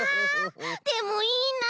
でもいいな！